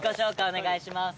お願いします。